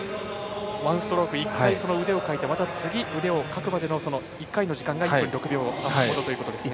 ワンストローク１回腕をかいてまた次、腕をかくまでの１回の時間が１．６秒ほどということですね。